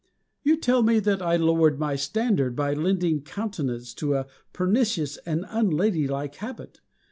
You tell me that I lowered my standard by lending countenance to a pernicious and unladylike habit.